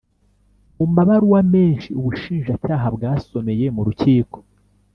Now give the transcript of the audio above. mu mabaruwa menshi ubushinjacyaha bwasomeye mu rukiko